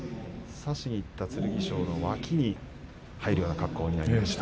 差しにいきました剣翔のわきに入るような形になりました。